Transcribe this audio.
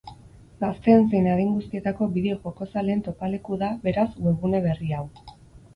Gazteen zein adin guztietako bideo-jokozaleen topaleku da, beraz, webgune berri hau.